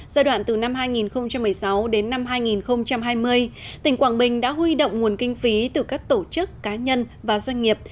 giai đoạn từ năm hai nghìn một mươi sáu đến năm hai nghìn hai mươi tỉnh quảng bình đã huy động nguồn kinh phí từ các tổ chức cá nhân và doanh nghiệp